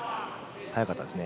速かったですね。